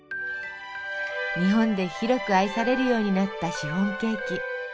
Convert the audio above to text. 日本で広く愛されるようになったシフォンケーキ。